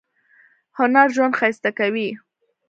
هنر ژوند ښایسته کوي